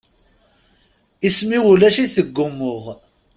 Isem-iw ulac-it deg umuɣ.